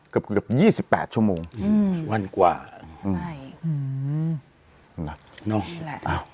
เกือบเกือบยี่สิบแปดชั่วโมงอืมวันกว่าอืมอืมนี่แหละอ้าว